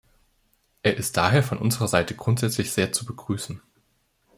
Er ist daher von unserer Seite grundsätzlich sehr zu begrüßen.